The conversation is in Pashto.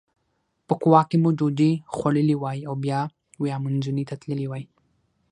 په کووا کې مو ډوډۍ خوړلې وای او بیا ویامنزوني ته تللي وای.